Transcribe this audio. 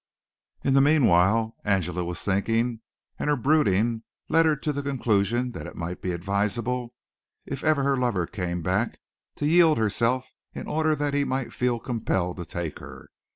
In the meanwhile Angela was thinking, and her brooding led her to the conclusion that it might be advisable, if ever her lover came back, to yield herself in order that he might feel compelled to take her.